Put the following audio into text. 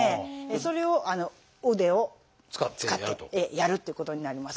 それを腕を使ってやるっていうことになります。